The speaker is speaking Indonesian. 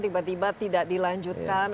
tiba tiba tidak dilanjutkan